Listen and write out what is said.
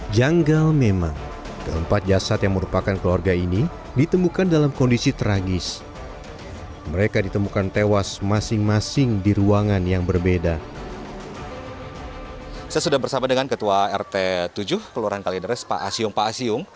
jangan lupa like share dan subscribe channel ini